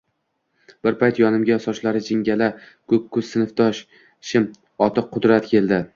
Bir payt yonimga sochlari jingala, koʻkkoʻz sinfdoshim – oti Qudrat edi.